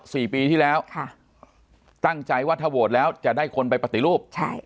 สี่ปีที่แล้วค่ะตั้งใจว่าถ้าโหวตแล้วจะได้คนไปปฏิรูปใช่